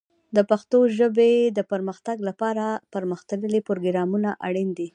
د پښتو ژبې د پرمختګ لپاره پرمختللي پروګرامونه اړین دي.